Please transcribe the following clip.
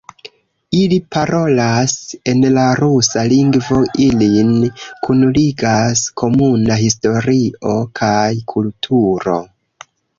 Ili parolas en la rusa lingvo, ilin kunligas komuna historio kaj kulturo.